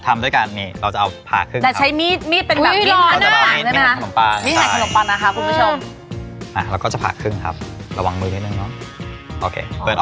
มาครับผมเสร็จแล้วนะครับสะโคนครับไทยแม็กเคอร์แรล